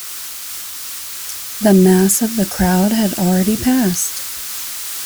The mass of the crowd had already passed.